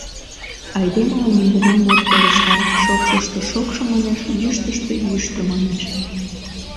Айдемылан нигунам от келыштаре: шокшышто шокшо манеш, йӱштыштӧ йӱштӧ манеш...